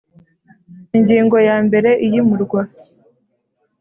Ingingo ya mbere iyimurwa